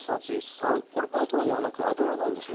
これバターではなく油なんですね。